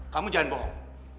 kamu jangan bohong